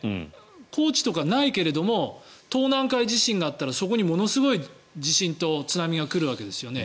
高知とかないけれど東南海地震があったらそこに、ものすごい地震と津波が来るわけですよね。